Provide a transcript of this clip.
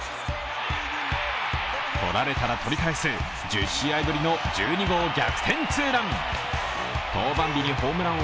取られたら取り返す１０試合ぶりの１２号逆転ツーラン。